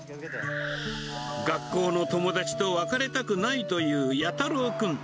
学校の友達と別れたくないという八太郎君。